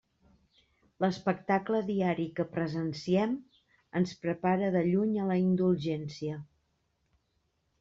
L'espectacle diari que presenciem ens prepara de lluny a la indulgència.